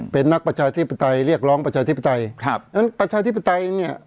เป็นนักประชาธิปไตยเรียกร้องประชาธิปไตยครับดังนั้นประชาธิปไตยเนี่ย